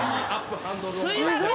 すいません！